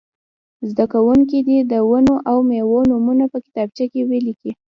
زده کوونکي دې د ونو او مېوو نومونه په کتابچه کې ولیکي.